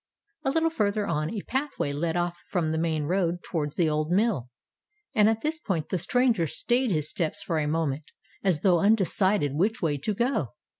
A little farther on, a pathway led off from the main road towards the old mill. And at this point, the stranger stayed his steps for a moment, as though undecided which way to go.